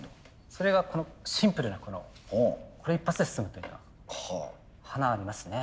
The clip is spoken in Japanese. それがこのシンプルなこれ一発で済むっていうのは華ありますね。